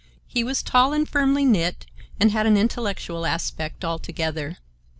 He was tall and firmly knit, and had an intellectual aspect altogether.